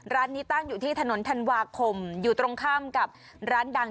ร้านนี้ตั้งอยู่ที่ถนนธันวาคมอยู่ตรงข้ามกับร้านดัง